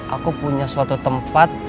aku punya suatu tempat